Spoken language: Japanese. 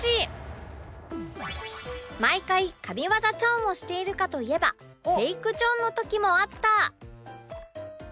毎回神業チョンをしているかといえばフェイクチョンの時もあった